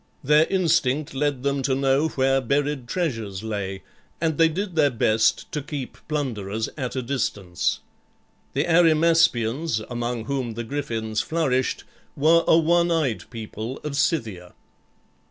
Their instinct led them to know where buried treasures lay, and they did their best to keep plunderers at a distance. The Arimaspians, among whom the Griffins flourished, were a one eyed people of Scythia.